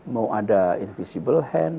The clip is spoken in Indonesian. mau ada invisible hand